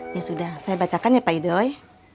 ya sudah saya bacakan ya pak idoy